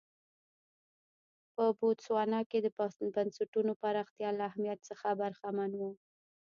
په بوتسوانا کې د بنسټونو پراختیا له اهمیت څخه برخمن و.